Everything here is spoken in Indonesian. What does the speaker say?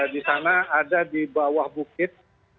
di sana ada di bawah bukit